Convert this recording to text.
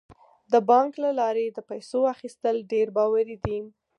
د بانک له لارې د پیسو اخیستل ډیر باوري دي.